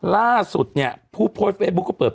ล่าสุดพูดไฟฟุกก็เปิด